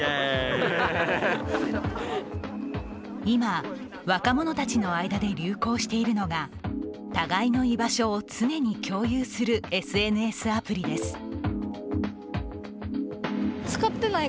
今、若者たちの間で流行しているのが互いの居場所を常に共有するＳＮＳアプリです。